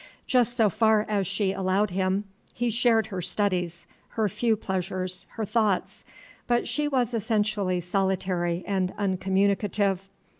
Just so far as she allowed him, he shared her studies, her few pleasures, her thoughts; but she was essentially solitary and uncommunicative.